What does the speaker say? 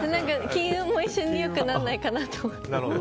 金運も一緒に良くならないかなと思って。